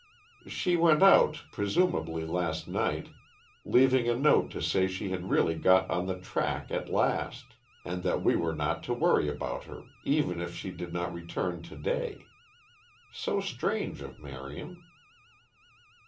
"She went out, presumably last night, leaving a note to say she had really got on the track at last, and that we were not to worry about her even if she did not return to day. So strange of Marion."